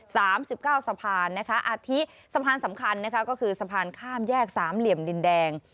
สามสิบเก้าสะพานนะคะอาทิสะพานสำคัญนะคะก็คือสะพานข้ามแยกสามเหลี่ยมดินแดง